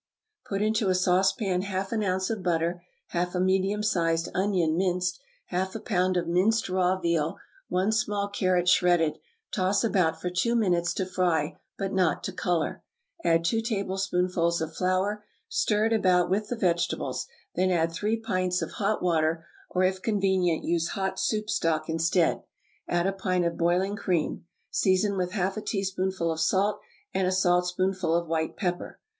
Put into a saucepan half an ounce of butter, half a medium sized onion minced, half a pound of minced raw veal, one small carrot shredded; toss about for two minutes to fry, but not to color; add two tablespoonfuls of flour, stir it about with the vegetables; then add three pints of hot water, or if convenient use hot soup stock instead; add a pint of boiling cream. Season with half a teaspoonful of salt and a saltspoonful of white pepper.